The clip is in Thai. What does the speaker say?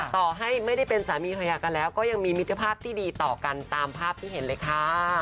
ต่อให้ไม่ได้เป็นสามีภรรยากันแล้วก็ยังมีมิตรภาพที่ดีต่อกันตามภาพที่เห็นเลยค่ะ